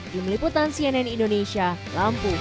di meliputan cnn indonesia lampung